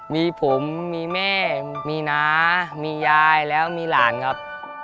มีผมมีแม่มีน้ามียายแล้วมีหลานครับ